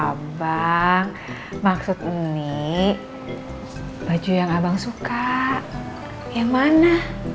abang maksud unik baju yang abang suka yang mana